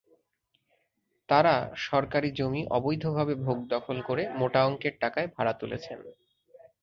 তাঁরা সরকারি জমি অবৈধভাবে ভোগ দখল করে মোটা অঙ্কের টাকায় ভাড়া তুলছেন।